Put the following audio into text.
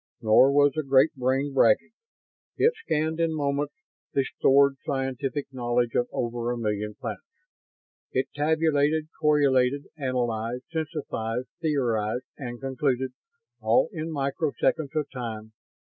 Nor was the Great Brain bragging. It scanned in moments the stored scientific knowledge of over a million planets. It tabulated, correlated, analyzed, synthesized, theorized and concluded all in microseconds of time.